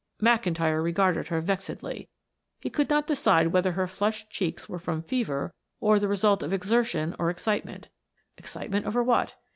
McIntyre regarded her vexedly. He could not decide whether her flushed cheeks were from fever or the result of exertion or excitement. Excitement over what?